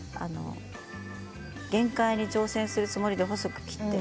限界に挑戦するつもりで細く切って。